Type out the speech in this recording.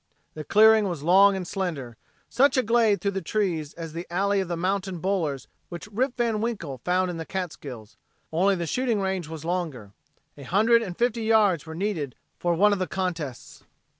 The clearing was long and slender, such a glade through the trees as the alley of the mountain bowlers which Rip Van Winkle found in the Catskills only the shooting range was longer. A hundred and fifty yards were needed for one of the contests.